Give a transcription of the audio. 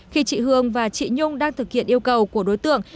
khi chị hương và chị nhung đang thực hiện yêu cầu của đối tượng